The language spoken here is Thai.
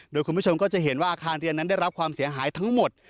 โดยคุณผู้ชมก็จะเห็นว่าอาคารเรียนนั้นได้รับความเสียหายทั้งหมด